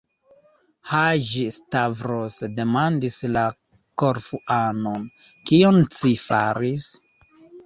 Haĝi-Stavros demandis la Korfuanon: Kion ci faris?